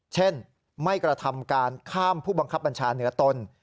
เช่นไม่กระทำการข้ามผู้บังคับบัญชาเหนือตน